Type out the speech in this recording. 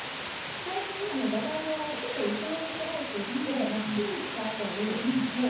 最初にジャガイモを薄めにスライスして、チンしたあとに、もう。